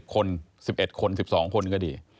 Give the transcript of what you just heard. คน๑๑คน๑๒คนก็ดี